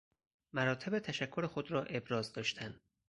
مراتب تشکر خود را ابراز داشتن